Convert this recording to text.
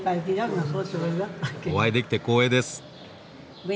お会いできて光栄です。